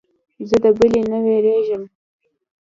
زه د بلې نه وېرېږم.